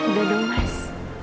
udah dong mas